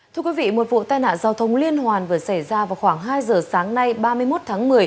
thưa quý vị một vụ tai nạn giao thông liên hoàn vừa xảy ra vào khoảng hai giờ sáng nay ba mươi một tháng một mươi